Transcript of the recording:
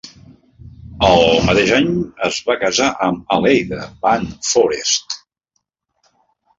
El mateix any es va casar amb Aleida van Foreest.